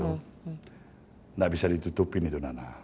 tidak bisa ditutupin itu nana